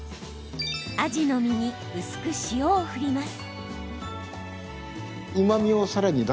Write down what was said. アジの身に薄く塩を振ります。